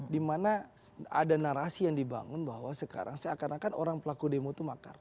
dimana ada narasi yang dibangun bahwa sekarang seakan akan orang pelaku demo itu makar